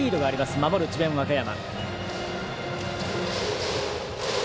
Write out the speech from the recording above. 守る智弁和歌山。